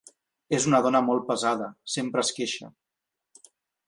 És una dona molt pesada: sempre es queixa.